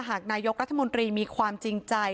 หากนายกรัฐมนตรีมีความจริงใจ